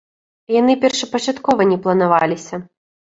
Яны першапачаткова не планаваліся.